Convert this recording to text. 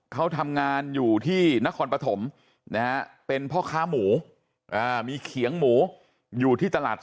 เขาทำงานอยู่ที่นครปฐมนะฮะเป็นพ่อค้าหมูมีเขียงหมูอยู่ที่ตลาด